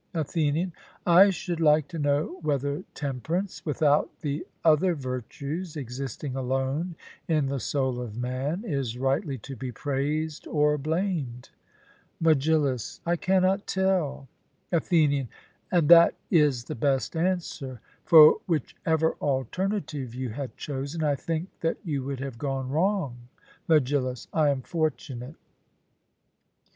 ATHENIAN: I should like to know whether temperance without the other virtues, existing alone in the soul of man, is rightly to be praised or blamed? MEGILLUS: I cannot tell. ATHENIAN: And that is the best answer; for whichever alternative you had chosen, I think that you would have gone wrong. MEGILLUS: I am fortunate.